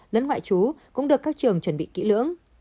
lẫn ngoại chú cũng được các trường chuẩn bị kỹ lưỡng